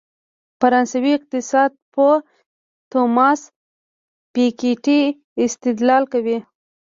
فرانسوي اقتصادپوه توماس پيکيټي استدلال کوي.